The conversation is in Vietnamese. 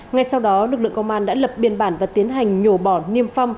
ngay sau đó lực lượng công an đã lập biên bản và tiến hành nhổ bỏ niêm phong